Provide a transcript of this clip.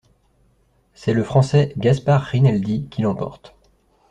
C'est le Français Gaspard Rinaldi qui l'emporte.